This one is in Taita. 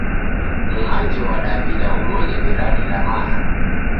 Mumangi wa Daw'ida ubonye miradi ra maana